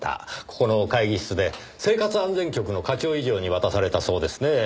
ここの会議室で生活安全局の課長以上に渡されたそうですねぇ。